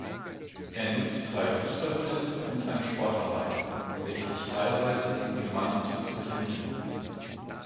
Er nutzt zwei Fußballplätze und ein Sportlerheim, welche sich teilweise in Gemeindebesitz befinden.